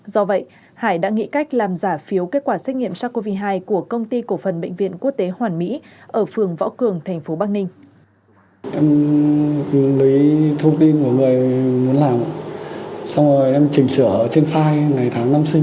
do vậy hải đã nghĩ cách làm giả phiếu kết quả xét nghiệm sars cov hai của công ty cổ phần bệnh viện quốc tế hoàn mỹ ở phường võ cường thành phố bắc ninh